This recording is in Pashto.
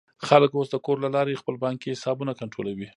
خلک اوس د کور له لارې خپل بانکي حسابونه کنټرولوي.